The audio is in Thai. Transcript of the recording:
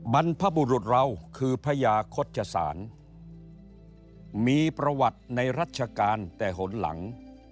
บรรพบุรุษเราคือพญาโฆษศาลมีประวัติในรัชกาลแต่หนหลัง